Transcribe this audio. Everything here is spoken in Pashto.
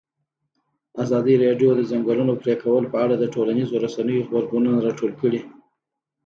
ازادي راډیو د د ځنګلونو پرېکول په اړه د ټولنیزو رسنیو غبرګونونه راټول کړي.